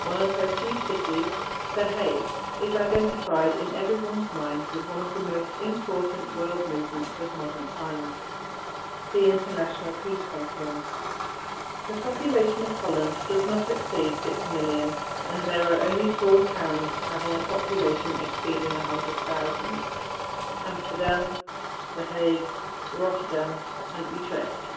One of her chief cities, The Hague, is identified in everyone's mind with one of the most important world movements of modern times, the International Peace Conference. The population of Holland does not exceed 6,000,000, and there are only four towns having a population exceeding 100,000, Amsterdam, The Hague, Rotterdam (rot´ er dam; Dutch, rot ter dahm´), and Utrecht (u´ trekt; Dutch, oo´ trekt).